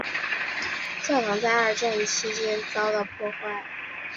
教堂在二战期间遭到破坏。